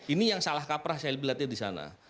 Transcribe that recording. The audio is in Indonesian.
ini yang salah kaprah saya lihatnya disana